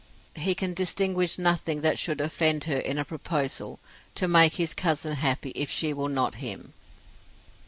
He can distinguish nothing that should offend her in a proposal to make his cousin happy if she will not him.